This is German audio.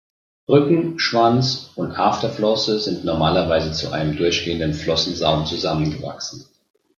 Rücken-, Schwanz- und Afterflosse sind normalerweise zu einem durchgehenden Flossensaum zusammengewachsen.